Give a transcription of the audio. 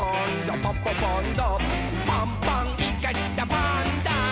「パンパンいかしたパンダ！」